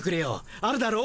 あるだろう